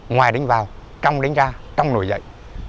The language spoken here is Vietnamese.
ngoài đánh vào trong đánh ra trong nổi dậy